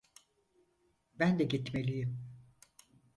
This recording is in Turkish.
Ben de gitmeliyim.